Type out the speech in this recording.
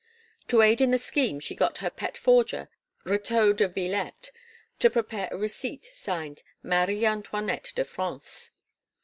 To aid in the scheme she got her pet forger, Retaux de Vilette, to prepare a receipt signed "Marie Antoinette de France."